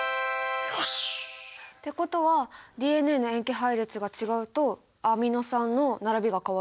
よし！ってことはＤＮＡの塩基配列が違うとアミノ酸の並びが変わる。